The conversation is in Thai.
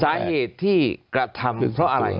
สาเหตุที่กระทำเพราะอะไร